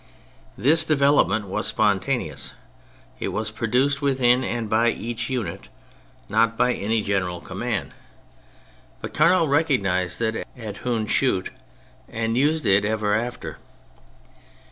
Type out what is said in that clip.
This de velopment was spontaneous : it was produced within and by each unit, not by any general 74 THE FRENCH REVOLUTION command. But Carnot recognised it at Hoondschoote and used it ever after.